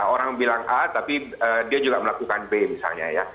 orang bilang a tapi dia juga melakukan b misalnya ya